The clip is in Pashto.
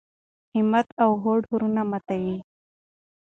همت او هوډ غرونه ماتوي.